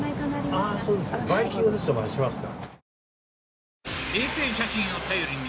ああそうですか。